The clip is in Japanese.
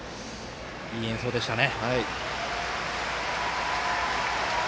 いい演奏でしたね。